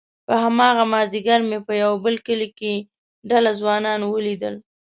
په هماغه مازيګر مې په يوه بل کلي کې ډله ځوانان وليدل،